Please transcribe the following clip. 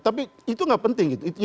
tapi itu nggak penting gitu